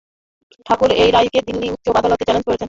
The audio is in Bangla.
ঠাকুর এই রায়কে দিল্লি উচ্চ আদালতে চ্যালেঞ্জ করেছেন।